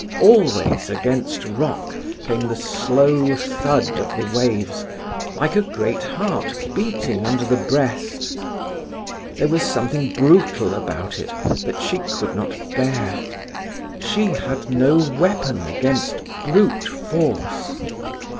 Always, against the rock, came the slow thud of the waves, like a great heart beating under the breast. There was something brutal about it that she could not bear. She had no weapon against brute force.